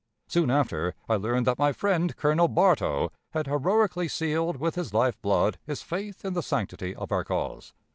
Soon after, I learned that my friend Colonel Bartow had heroically sealed with his life blood his faith in the sanctity of our cause.